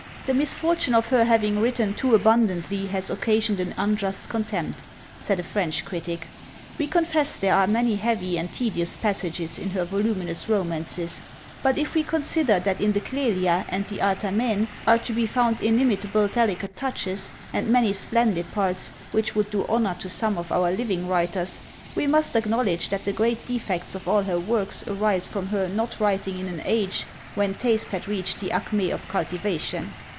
"The misfortune of her having written too abundantly has occasioned an unjust contempt," says a French critic. "We confess there are many heavy and tedious passages in her voluminous romances; but if we consider that in the Clelia and the Artamene are to be found inimitable delicate touches, and many splendid parts, which would do honour to some of our living writers, we must acknowledge that the great defects of all her works arise from her not writing in an age when taste had reached the acmé of cultivation.